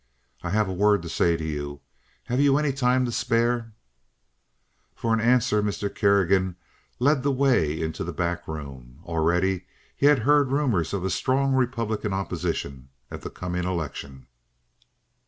"I have a word to say to you. Have you any time to spare?" For answer Mr. Kerrigan led the way into the back room. Already he had heard rumors of a strong Republican opposition at the coming election.